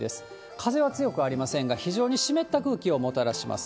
風は強くありませんが、非常に湿った空気をもたらします。